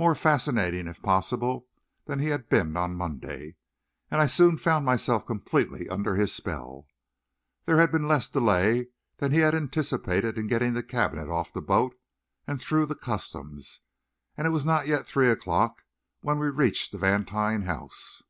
More fascinating, if possible, than he had been on Monday, and I soon found myself completely under his spell. There had been less delay than he had anticipated in getting the cabinet off the boat and through the customs, and it was not yet three o'clock when we reached the Vantine house.